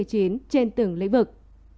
trên từng lĩnh vực